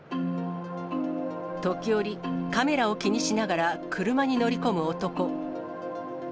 時折、カメラを気にしながら、車に乗り込む男。